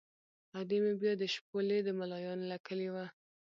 ادې مې بیا د شپولې د ملایانو له کلي وه.